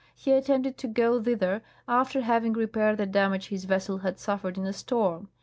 He attemiated to go thither, after having repaired the damage his vessel had suffered in a storm.